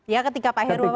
ya ketika pak heru apa pak